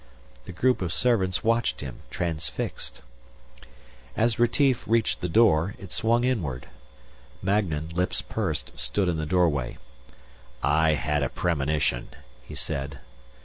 The group of servants watched him, transfixed. As Retief reached the door, it swung inward. Magnan, lips pursed, stood in the doorway. "I had a premonition," he said.